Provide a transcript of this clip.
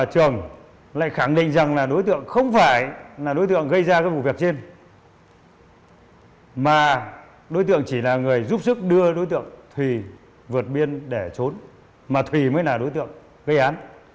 trường lại khẳng định rằng là đối tượng không phải là đối tượng gây ra vụ việc trên mà đối tượng chỉ là người giúp sức đưa đối tượng thùy vượt biên để trốn mà thùy mới là đối tượng gây án